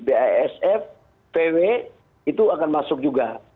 basf vw itu akan masuk juga